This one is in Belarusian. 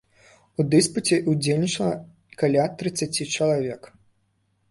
У дыспуце ўдзельнічала каля трыццаці чалавек.